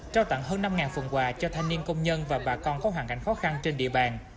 trao tặng hơn năm phần quà cho thanh niên công nhân và bà con có hoàn cảnh khó khăn trên địa bàn